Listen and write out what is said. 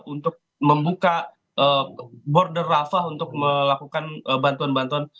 untuk membuka border rafah untuk melakukan bantuan bantuan